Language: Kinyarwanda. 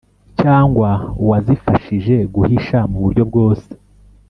cyangwa uwazifashije guhisha mu buryo bwose